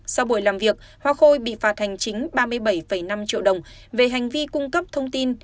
sau buổi làm việc hoa khôi bị phạt hành chính ba mươi bảy năm triệu đồng về hành vi cung cấp thông tin